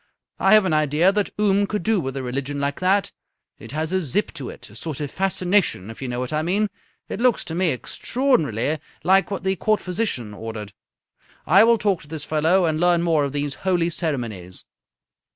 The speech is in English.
I have an idea that Oom could do with a religion like that. It has a zip to it. A sort of fascination, if you know what I mean. It looks to me extraordinarily like what the Court physician ordered. I will talk to this fellow and learn more of these holy ceremonies."